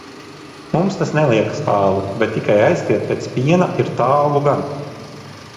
Mums tas neliekas tālu, bet tikai aizskriet pēc piena ir tālu gan.